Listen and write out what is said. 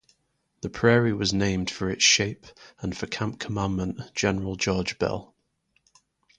The prairie was named for its shape and for camp commandant General George Bell.